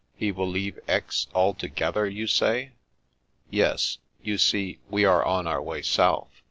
" He will leave Aix al together, you say? "" Yes. You see, we are on our way south.